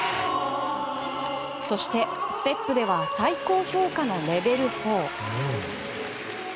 そしてステップでは最高評価のレベル４。